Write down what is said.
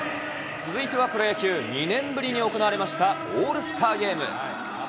続いてはプロ野球、２年ぶりに行われたオールスターゲーム。